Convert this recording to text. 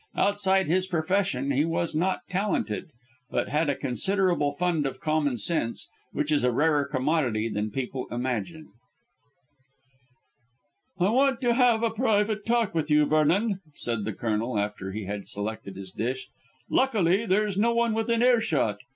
Outside his profession he was not talented, but had a considerable fund of common sense, which is a rarer commodity than people imagine. "I want to have a private talk with you, Vernon," said the Colonel, after he had selected his dish. "Luckily there's no one within earshot."